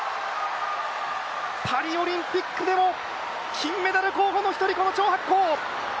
パリオリンピックでも金メダル候補の１人、この張博恒。